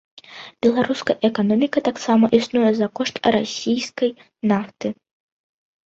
Беларуская эканоміка таксама існуе за кошт расійскай нафты.